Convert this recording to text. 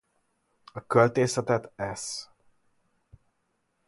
A költészetet Sz.